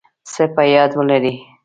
څه په یاد ولرئ